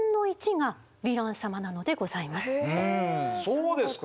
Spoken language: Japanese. そうですか。